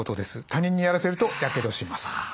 他人にやらせるとやけどします。